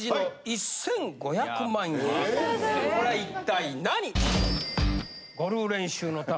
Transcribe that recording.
これは一体何？